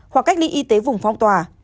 hoặc cách ly y tế vùng phong tòa